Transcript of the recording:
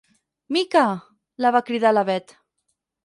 Mica —la va cridar la Bet—.